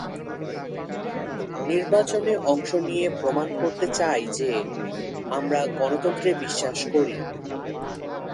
নির্বাচনে অংশ নিয়ে প্রমাণ করতে চাই যে, আমরা গণতন্ত্রে বিশ্বাস করি।